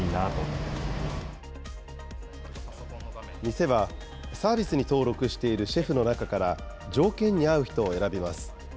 店はサービスに登録しているシェフの中から、条件に合う人を選びます。